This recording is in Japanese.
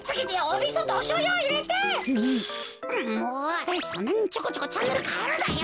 もうそんなにちょこちょこチャンネルかえるなよ。